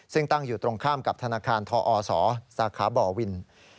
ซึ่งตั้งอยู่ตรงข้ามกับธนาคารทอศสาขาบ่อวิน